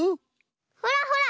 ほらほら！